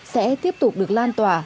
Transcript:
sẽ tiếp tục được lan tỏa